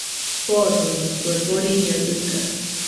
Foododɨkue, boriño dɨga